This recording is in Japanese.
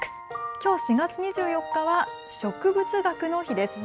きょう４月２４日は植物学の日です。